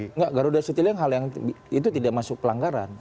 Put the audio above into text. enggak garuda citylink hal yang itu tidak masuk pelanggaran